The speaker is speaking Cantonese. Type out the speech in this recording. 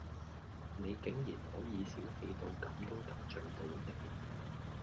你竟然可以小器到咁都得罪到你